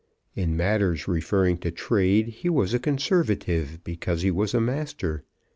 In matters referring to trade he was a Conservative, because he was a master.